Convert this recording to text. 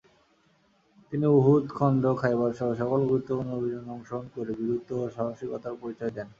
তিনি উহুদ, খন্দক, খাইবারসহ সকল গুরুত্বপূর্ণ অভিযানে অংশগ্রহণ করে বীরত্ব ও সাহসিকতার পরিচয় দেন।